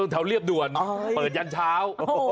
แถวเรียบด่วนเปิดยันเช้า